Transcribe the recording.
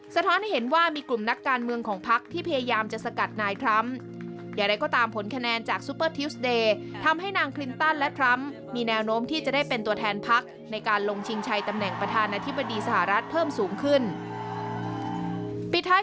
สะท้อนให้เห็นว่ามีกลุ่มนักการเมืองของภักดิ์ที่พยายามจะสกัดนายทรัมป์